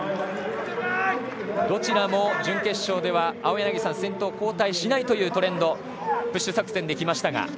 どちらも準決勝では先頭交代しないというトレンドプッシュ作戦できましたが。